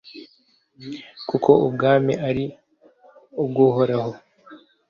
kuko ubwami ari ubw'uhoraho